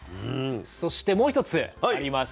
そしてもう１つあります。